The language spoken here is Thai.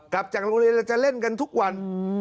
กลับจากโรงเรียนแล้วจะเล่นกันทุกวัน